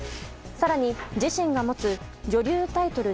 更に自身が持つ女流タイトル